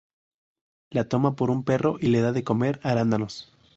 Lo toma por un perro y le da de comer arándanos.